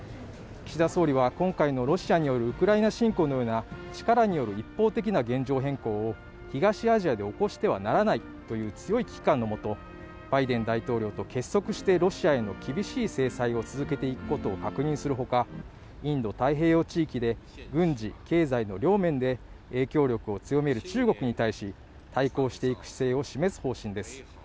岸田総理は今回のロシアによるウクライナ侵攻のような力による一方的な現状変更を東アジアで起こしてはならないという強い危機感のもとバイデン大統領と結束してロシアへの厳しい制裁を続けていくことを確認するほかインド太平洋地域で軍事経済の両面で影響力を強める中国に対し対抗していく姿勢を示す方針です